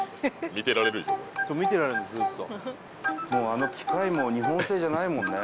あの機械も日本製じゃないもんね。